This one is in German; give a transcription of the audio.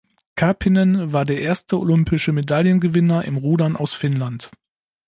Karppinen war der erste Olympische Medaillengewinner im Rudern aus Finnland.